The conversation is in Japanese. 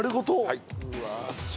はい。